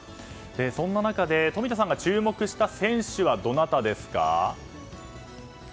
そんな中で冨田さんが注目した選手はどなたですか？